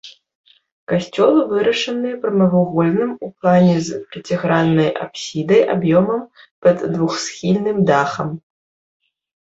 Касцёл вырашаны прамавугольным у плане з пяціграннай апсідай аб'ёмам пад двухсхільным дахам.